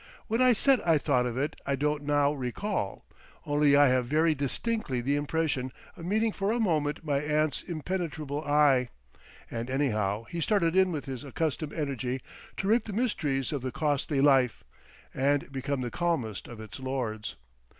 What I said I thought of it I don't now recall. Only I have very distinctly the impression of meeting for a moment my aunt's impenetrable eye. And anyhow he started in with his accustomed energy to rape the mysteries of the Costly Life, and become the calmest of its lords.